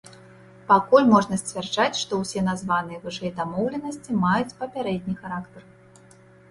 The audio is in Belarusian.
Пакуль можна сцвярджаць, што ўсе названыя вышэй дамоўленасці маюць папярэдні характар.